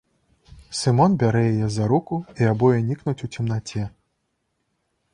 Сымон бярэ яе за руку, і абое нікнуць у цемнаце.